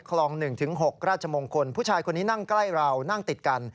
คลอง๑๖ราชมงคลผู้ชายคนนี้นั่งใกล้เรานั่งติดกัน